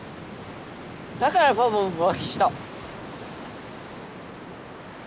だからパパも浮気した。